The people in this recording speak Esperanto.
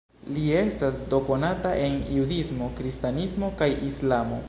Li estas do konata en judismo, kristanismo kaj islamo.